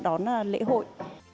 đón lễ hội